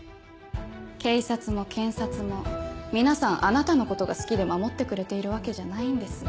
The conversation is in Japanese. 警察も検察も皆さんあなたのことが好きで守ってくれているわけじゃないんです。